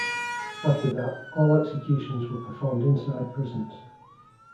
After that, all executions were performed inside prisons.